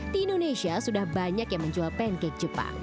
di indonesia sudah banyak yang menjual pancake jepang